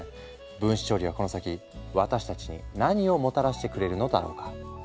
分子調理はこの先私たちに何をもたらしてくれるのだろうか？